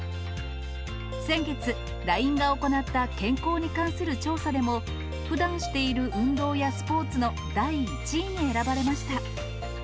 先月、ＬＩＮＥが行った健康に関する調査でも、ふだんしている運動やスポーツの第１位に選ばれました。